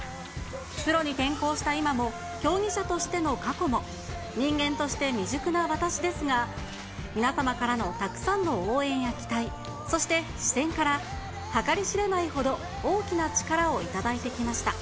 プロに転向した今も、競技者としての過去も、人間として未熟な私ですが、皆様からのたくさんの応援や期待、そして視線から、計り知れないほど大きな力を頂いてきました。